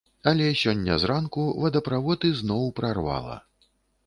Але сёння зранку вадаправод ізноў прарвала.